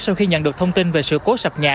sau khi nhận được thông tin về sự cố sập nhà